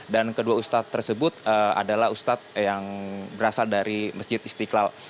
dan kedua ustadz tersebut adalah ustadz yang berasal dari masjid istiqlal